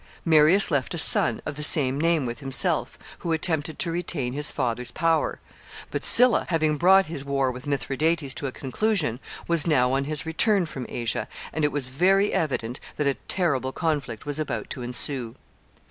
] Marius left a son, of the same name with himself, who attempted to retain his father's power; but Sylla, having brought his war with Mithridates to a conclusion, was now on his return from Asia, and it was very evident that a terrible conflict was about to ensue.